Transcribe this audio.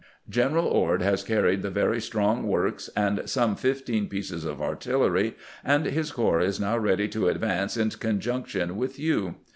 :" Gen eral Ord has carried the very strong works and some fifteen pieces of artillery, and his corps is now ready to advance in conjunction with you.